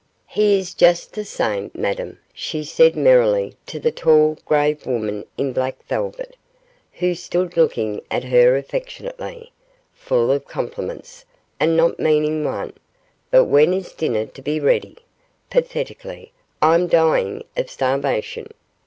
'He is just the same, Madame,' she said merrily to the tall, grave woman in black velvet, who stood looking at her affectionately, 'full of compliments, and not meaning one; but when is dinner to be ready?' pathetically, 'I'm dying of starvation.